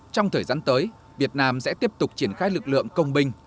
trong thời gian tới việt nam sẽ tiếp tục triển khai lực lượng công binh